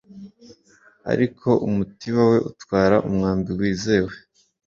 ariko umutiba we utwara umwambi wizewe